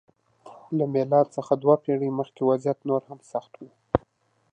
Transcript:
له میلاد څخه دوه پېړۍ مخکې وضعیت نور هم سخت شو.